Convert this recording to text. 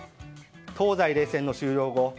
東西冷戦の終了後